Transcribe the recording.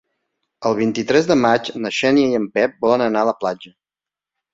El vint-i-tres de maig na Xènia i en Pep volen anar a la platja.